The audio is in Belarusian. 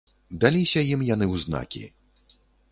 Даліся ім яны ў знакі.